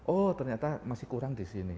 oh ternyata masih kurang di sini